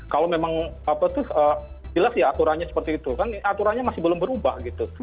kalau memang apa tuh jelas ya aturannya seperti itu kan aturannya masih belum berubah gitu